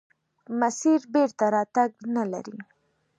مسیر بېرته راتګ نلري.